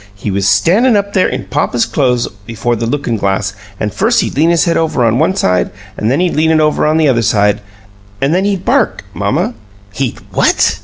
"He was standin' up there in papa's clo'es before the lookin' glass, an' first he'd lean his head over on one side, an' then he'd lean it over on the other side, an' then he'd bark, mamma." "He'd what?"